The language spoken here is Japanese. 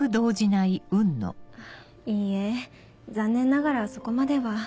いいえ残念ながらそこまでは。